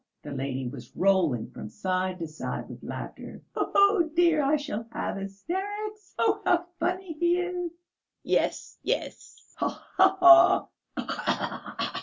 The lady was rolling from side to side with laughter. "Oh, dear, I shall have hysterics! Oh, how funny he is!" "Yes, yes! Ha ha ha!